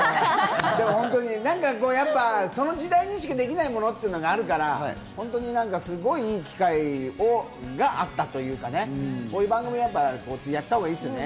でもホントに何かこうやっぱその時代にしかできないものっていうのがあるからホントにすごいいい機会があったというかねこういう番組やったほうがいいですよね。